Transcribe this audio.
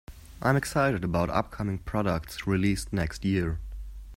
I am excited about upcoming products released next year.